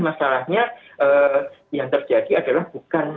masalahnya yang terjadi adalah bukan